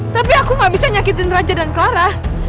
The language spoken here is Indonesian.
tapi aku gak bisa nyakitin raja dan clara